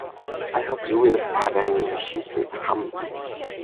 "I hope you will pardon me," she said humbly.